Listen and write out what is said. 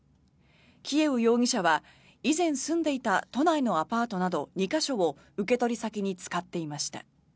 キエウ容疑者は以前住んでいた都内のアパートなど２か所を受け取り先に使っていました。